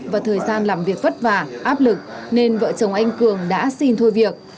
và thời gian làm việc vất vả áp lực nên vợ chồng anh cường đã xin thôi việc